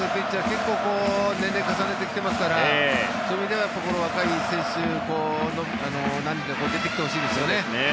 結構年齢を重ねてきていますからそういう意味では若い選手何人か出てきてほしいですね。